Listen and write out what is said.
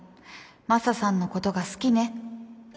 マサさんのことが好きね。